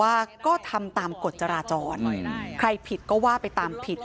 ว่าก็ทำตามกฎจราจรใครผิดก็ว่าไปตามผิด